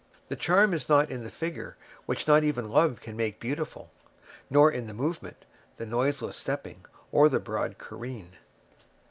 The charm is not in the figure, which not even love can make beautiful; nor in the movement, the noiseless stepping, or the broad careen.